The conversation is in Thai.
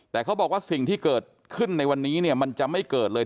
แต่เขาบอกว่าสิ่งที่เกิดขึ้นในวันนี้เนี่ยมันจะไม่เกิดเลย